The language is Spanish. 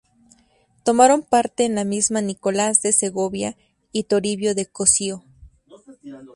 Tomaron parte en la misma Nicolás de Segovia y Toribio de Cosío.